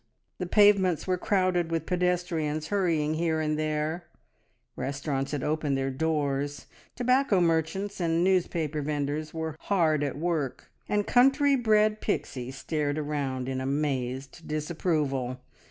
The pavements were crowded with pedestrians hurrying here and there; restaurants had opened their doors, tobacco merchants and newspaper vendors were hard at work, and country bred Pixie stared around in amazed disapproval.